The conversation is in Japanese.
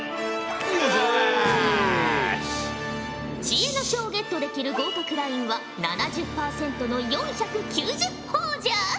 知恵の書をゲットできる合格ラインは７０％の４９０ほぉじゃ。